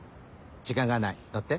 時間がない乗って。